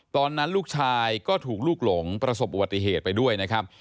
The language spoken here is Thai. ตอนนั้นลูกชายก็ถูกลูกหลงประสบอุบัติเหตุไปด้วยนะครับ